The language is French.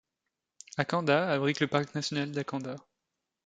Akanda abrite le Parc national d'Akanda.